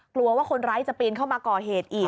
กลัวว่าคนร้ายจะปีนเข้ามาก่อเหตุอีก